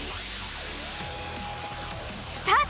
スタート！